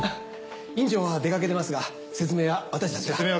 院長は出かけてますが説明は私たちが。